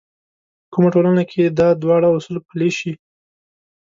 کومه ټولنه کې دا دواړه اصول پلي شي.